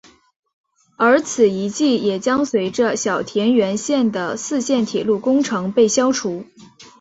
而此遗迹也将随着小田原线的四线铁路工程被消除。